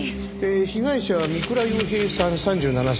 被害者は三倉陽平さん３７歳。